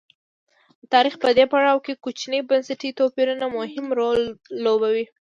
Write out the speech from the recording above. د تاریخ په دې پړاو کې کوچني بنسټي توپیرونه مهم رول لوبوي.